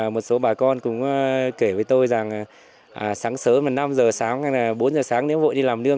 một số bà con cũng kể với tôi rằng sáng sớm năm h sáng bốn h sáng nếu vội đi làm đương